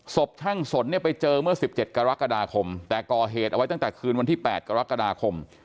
ศพช่างสนเนี่ยไปเจอเมื่อ๑๗กรกฎาคมแต่ก่อเหตุเอาไว้ตั้งแต่คืนวันที่๘กรกฎาคม